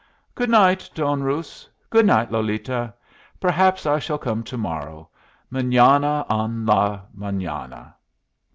"Good night, Don Ruz. Good night, Lolita. Perhaps I shall come to morrow, mañana en la mañana."